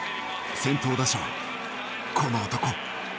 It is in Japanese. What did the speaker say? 先頭打者はこの男。